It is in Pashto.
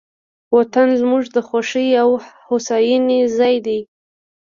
وطن زموږ د خوښۍ او هوساینې ځای دی.